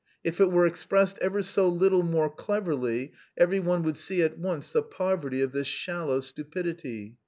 _ If it were expressed ever so little more cleverly, every one would see at once the poverty of this shallow stupidity.